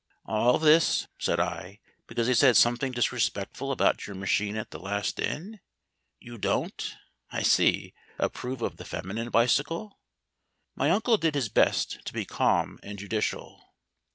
"All this," said I, "because they said something disrespectful about your machine at the last inn... You don't, I see, approve of the feminine bicycle?" My uncle did his best to be calm and judicial.